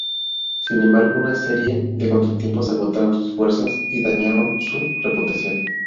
Sin embargo, una serie de contratiempos agotaron sus fuerzas y dañaron su reputación.